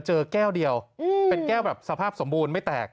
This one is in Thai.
เจอแก้วเดียวเป็นแก้วแบบสภาพสมบูรณ์ไม่แตก